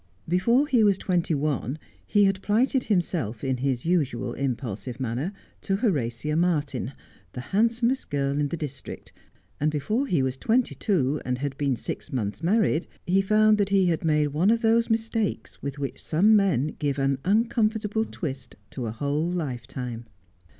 Before he was twenty one he had plighted himself, in his usual impulsive manner, to Horatia Martin, the handsomest girl in the district, and before he was twenty two, and had been six months married, he found that he had made one of those mistakes which with some men give an uncomfortable twist to a whole lifetime.